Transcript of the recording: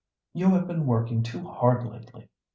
"You have been working too hard lately.